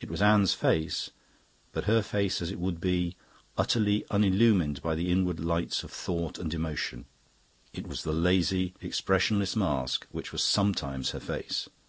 It was Anne's face but her face as it would be, utterly unillumined by the inward lights of thought and emotion. It was the lazy, expressionless mask which was sometimes her face.